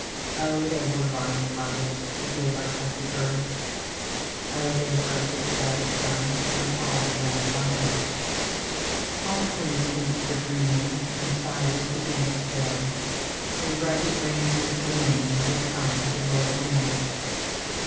Oh, they were lion hearted Who gave our country birth! Oh, they were of the stoutest sons From all the lands on earth! Oft when the camps were dreaming, And fires began to pale, Through rugged ranges gleaming Would come the Royal Mail.